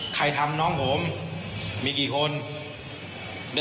ละ๓วัน๙จัง